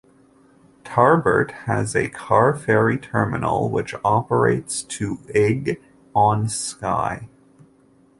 Tarbert has a car ferry terminal which operates to Uig on Skye.